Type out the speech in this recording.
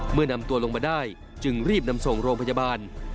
เมื่อนำตัวลงมาได้จึงรีบนำส่งโรงพยาบาล